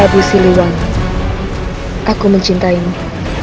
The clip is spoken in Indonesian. rabu siliwang aku mencintaimu